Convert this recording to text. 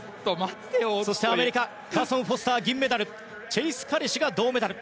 そしてアメリカカーソン・フォスター銀メダルチェイス・カリシュが銅メダル。